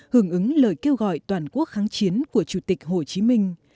hưởng ứng lời kêu gọi toàn quốc kháng chiến của chủ tịch hồ chí minh